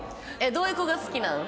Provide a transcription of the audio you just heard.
どういう子が好きなん？